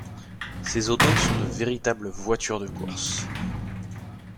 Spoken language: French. Ces autos sont de véritables voitures de course.